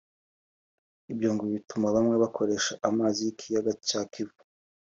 Ibyo ngo bituma bamwe bakoresha amazi y’ikiyaga cya Kivu